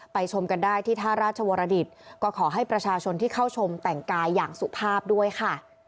ชมกันได้ที่ท่าราชวรดิตก็ขอให้ประชาชนที่เข้าชมแต่งกายอย่างสุภาพด้วยค่ะ